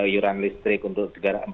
yuran listrik untuk